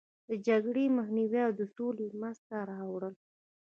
د جګړې مخنیوی او د سولې منځته راوړل.